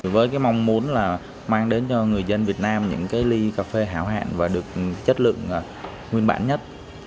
với mong muốn mang đến cho người dân việt nam những ly cà phê hảo hạn và được chất lượng nguyên bản nhất